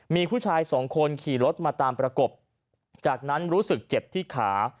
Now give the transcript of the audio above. มีผู้ชายสองคนขี่รถมาตามประกบจากนั้นรู้สึกเจ็บที่ขา